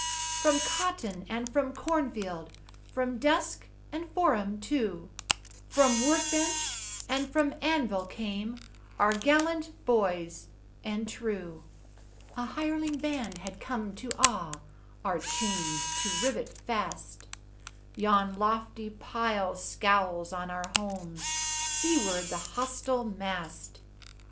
From cotton and from corn field, From desk and forum too, From work bench and from anvil, came Our gallant boys and true. A hireling band had come to awe, Our chains to rivet fast; Yon lofty pile scowls on our homes, Seaward the hostile mast.